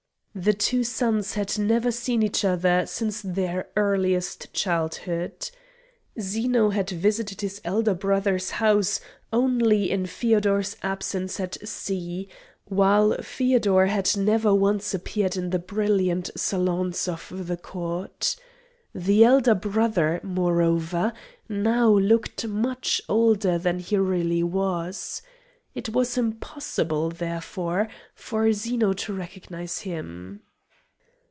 The two sons had never seen each other since their earliest childhood. Zeno had visited his elder brother's house only in Feodor's absence at sea, while Feodor had never once appeared in the brilliant salons of the court. The elder brother, moreover, now looked much older than he really was. It was impossible, therefore, for Zeno to recognise him.